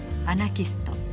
アナキスト